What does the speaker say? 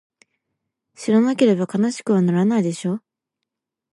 知らなければ悲しくはならないでしょ？